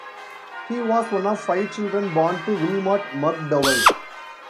He was one of five children born to Wilmot McDowell.